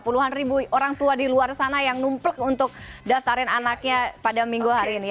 puluhan ribu orang tua di luar sana yang numplek untuk daftarin anaknya pada minggu hari ini